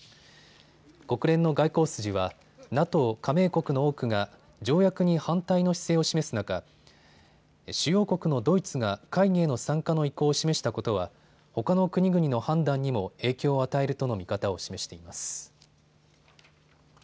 国連の外交筋はＮＡＴＯ加盟国の多くが条約に反対の姿勢を示す中、主要国のドイツが会議への参加の意向を示したことはほかの国々の判断にも影響を与えるとの見方を示しています。